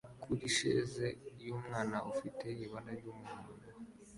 kurisheze y'umwana ufite ibara ry'umuhondo